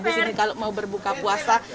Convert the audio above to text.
di sini kalau mau berbuka puasa